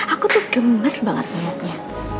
aku tuh gemes banget ngelihatnya